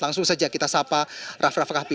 langsung saja kita sapa rafraf kafi